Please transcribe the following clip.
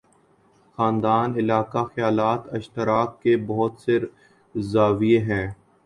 خاندان، علاقہ، خیالات اشتراک کے بہت سے زاویے ہیں۔